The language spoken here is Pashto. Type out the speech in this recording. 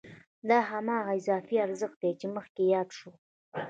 دا هماغه اضافي ارزښت دی چې مخکې یاد شو